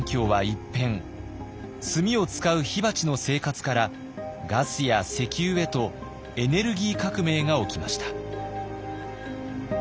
炭を使う火鉢の生活からガスや石油へとエネルギー革命が起きました。